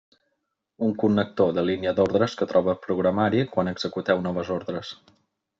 Un connector de línia d'ordres que troba programari quan executeu noves ordres.